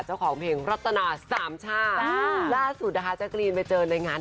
เจ้าของเพลงรัตนาสามช่าล่าสุดนะคะแจ๊กรีนไปเจอในงาน